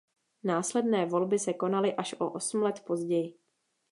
Následné volby se konaly až o osm let později.